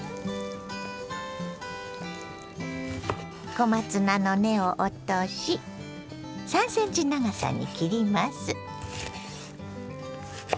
小松菜の根を落とし３ｃｍ長さに切ります。